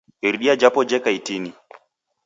Iridia japo jeka itini